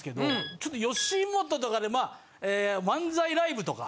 ちょっと吉本とかで漫才ライブとか。